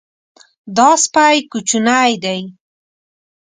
دا سپی کوچنی دی.